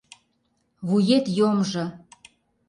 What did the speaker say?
Вует йомжо!..